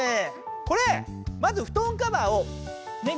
これまず布団カバーをね